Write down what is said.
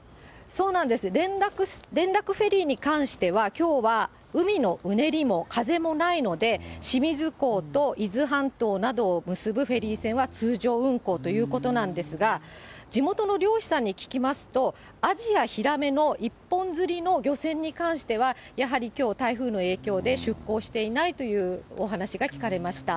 そうなんです、連絡フェリーに関しては、きょうは海のうねりも風もないので、清水港と伊豆半島などを結ぶフェリー船は、通常運航ということなんですが、地元の漁師さんに聞きますと、アジやヒラメの一本釣りの漁船に関しては、やはりきょう、台風の影響で出港していないというお話が聞かれました。